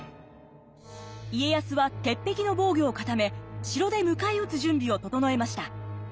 家康は鉄壁の防御を固め城で迎え撃つ準備を整えました。